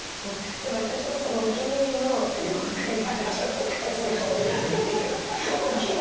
でも私もそのお気に入りの洋服がちょっと数が多いっていう。